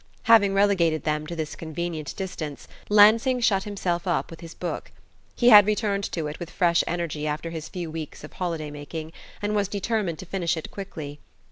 Having relegated them to this convenient distance, Lansing shut himself up with his book. He had returned to it with fresh energy after his few weeks of holiday making, and was determined to finish it quickly.